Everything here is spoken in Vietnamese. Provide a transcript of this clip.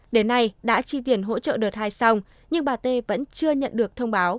đến nay đã chi tiền hỗ trợ đợt hai xong nhưng bà t vẫn chưa nhận được thông báo